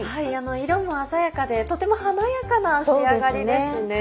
色も鮮やかでとても華やかな仕上がりですね。